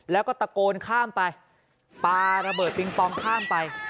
แล้วก็ตะโกนข้ามไปปลาระเบิดปิงปองข้ามไป